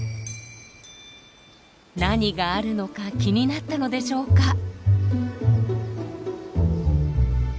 何があるのか気になったのでしょうか。